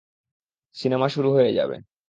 Cinema শুরু হয়ে যাবে।